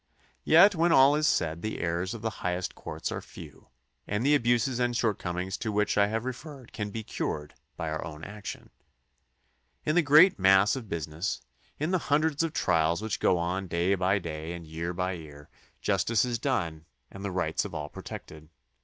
Yet when all is said the errors of the highest courts are few and the abuses and shortcomings to which I have THE CONSTITUTION AND ITS MAKERS 79 referred can be cured by our own action. In the great mass of business, in the hundreds of trials which go on day by day and year by year, justice is done and the rights of all protected.